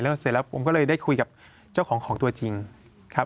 แล้วเสร็จแล้วผมก็เลยได้คุยกับเจ้าของของตัวจริงครับ